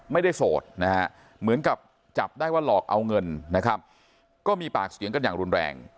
โสดนะฮะเหมือนกับจับได้ว่าหลอกเอาเงินนะครับก็มีปากเสียงกันอย่างรุนแรง